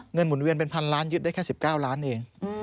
หมุนเวียนเป็นพันล้านยึดได้แค่๑๙ล้านเอง